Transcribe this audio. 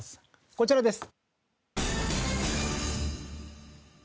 こちらです。